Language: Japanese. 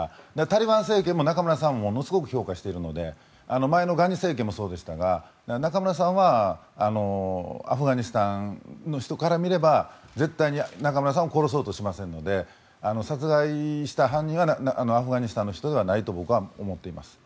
タリバン政権も中村さんをものすごく評価しているので前のガニ政権もそうでしたが中村さんはアフガニスタンの人から見れば絶対に中村さんを殺そうとしませんので殺害した犯人はアフガニスタンの人ではないと僕は思っています。